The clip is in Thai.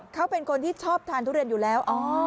เขาเป็นคนที่ชอบทานทุเรียนอยู่แล้ว